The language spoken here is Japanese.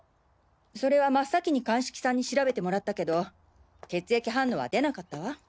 それは真っ先に鑑識さんに調べてもらったけど血液反応は出なかったわ。